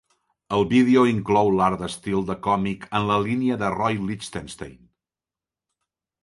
El vídeo inclou l'art d'estil de còmic en la línia de Roy Lichtenstein.